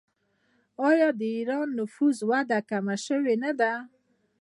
آیا د ایران د نفوس وده کمه شوې نه ده؟